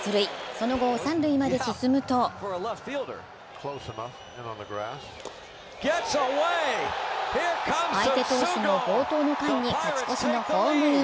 その後、三塁まで進むと相手投手の暴投の間に勝ち越しのホームイン。